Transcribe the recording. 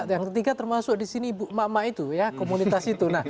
yang ketiga termasuk di sini ibu emak emak itu ya komunitas itu